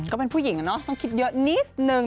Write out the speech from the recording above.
ก็เป็นผู้หญิงต้องคิดเยอะนิดนึง